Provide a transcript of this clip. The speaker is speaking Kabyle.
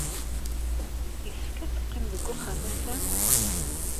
Yessefk ad teqqim deg wexxam ass-a?